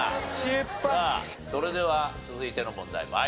さあそれでは続いての問題に参りましょう。